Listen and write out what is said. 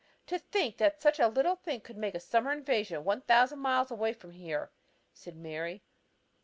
"To think that such a little thing could make a summer evasion one thousand miles away from here," said Mary.